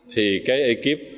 thì cái ekip